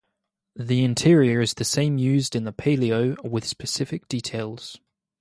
The interior is the same used in the Palio, with specific details.